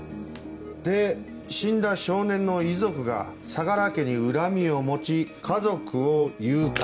で死んだ少年の遺族が相良家に恨みを持ち家族を誘拐。